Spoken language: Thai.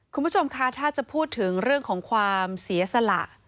คุณผู้ชมคะถ้าจะพูดถึงเรื่องของความเสียสละ